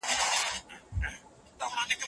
رښتيني انسان تل د نېکمرغۍ دعا کړې ده.